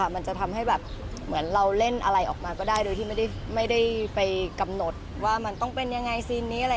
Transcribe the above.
มันจะทำให้แบบเหมือนเราเล่นอะไรออกมาก็ได้โดยที่ไม่ได้ไปกำหนดว่ามันต้องเป็นยังไงซีนนี้อะไร